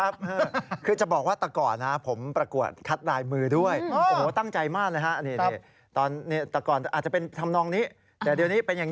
เป็นกำลังใจให้ทั้งสองคนเลย